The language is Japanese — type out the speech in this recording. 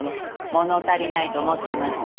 物足りないと思ってました。